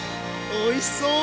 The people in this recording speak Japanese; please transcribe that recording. おいしそう！